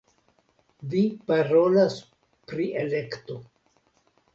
Vi parolas pri elekto!